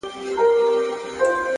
علم د فکر ژوروالی زیاتوي،